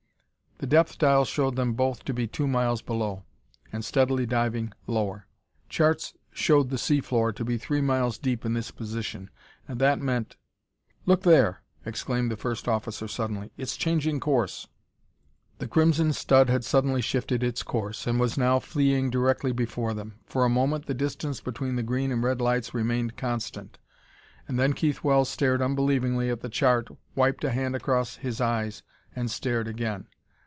The depth dial showed them both to be two miles below, and steadily diving lower. Charts showed the sea floor to be three miles deep in this position, and that meant "Look there!" exclaimed the first officer suddenly. "It's changing course!" The crimson stud had suddenly shifted its course, and now was fleeing directly before them. For a moment the distance between the green and red lights remained constant and then Keith Wells stared unbelievingly at the chart, wiped a hand across his eyes and stared again.